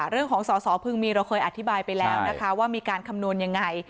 เรื่องของสอสอพึงมีเราเคยอธิบายไปแล้วนะคะว่ามีการคำนวณยังไง